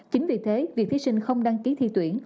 chính vì thế việc thí sinh không đăng ký thi tuyển